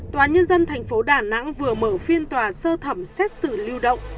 tòa nhân dân thành phố đà nẵng vừa mở phiên tòa sơ thẩm xét xử lưu động